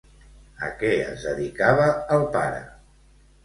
A què es dedicava el pare?